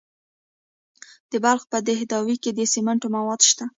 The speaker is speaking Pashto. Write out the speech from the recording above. د بلخ په دهدادي کې د سمنټو مواد شته.